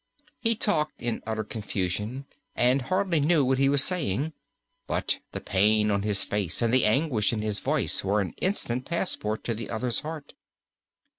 He talked in utter confusion, and hardly knew what he was saying. But the pain on his face and the anguish in his voice were an instant passport to the other's heart.